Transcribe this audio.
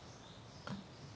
あっ。